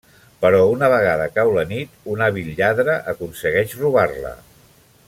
Però una vegada cau la nit, un hàbil lladre aconsegueix robar-la.